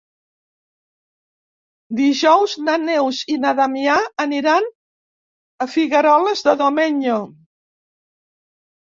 Dijous na Neus i na Damià aniran a Figueroles de Domenyo.